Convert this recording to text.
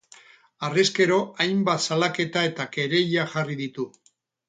Harrezkero hainbat salaketa eta kereila jarri ditu.